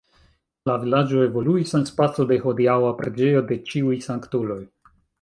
La vilaĝo evoluis en spaco de hodiaŭa preĝejo de Ĉiuj sanktuloj.